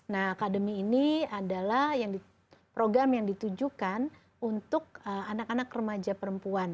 nah akademi ini adalah program yang ditujukan untuk anak anak remaja perempuan